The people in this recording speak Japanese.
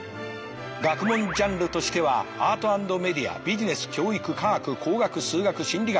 学問ジャンルとしてはアート＆メディアビジネス教育科学工学数学心理学